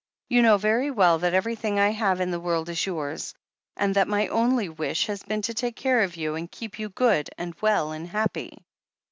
You know very well that everything I have in the world is yours, and that my only wish has been to take care of you and keep you good and well and happy."